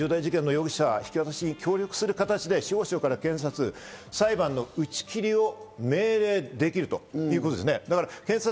重大事件の容疑者引き渡しに協力する形で、司法省は検察に裁判の打ち切りを命令できるということです。